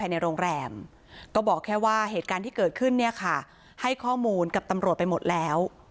ในโรงแรมก็บอกแค่ว่าเหตุการณ์ที่เกิดขึ้นเนี่ยค่ะให้ข้อมูลกับตำรวจไปหมดแล้ว